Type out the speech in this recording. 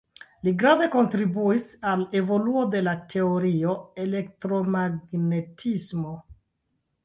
Li grave kontribuis al evoluo de la teorio de elektromagnetismo.